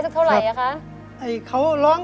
จากคนไหนทุกคุณ